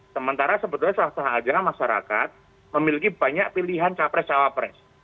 sementara sebetulnya sah sah aja masyarakat memiliki banyak pilihan capres cawapres